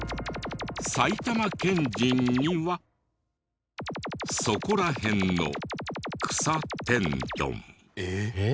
「埼玉県人にはそこらへんの草天丼」えっ？